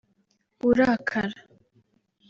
urakara